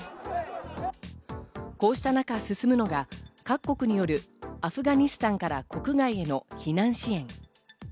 こうした中、進むのが各国によるアフガニスタンから国外への避難支援。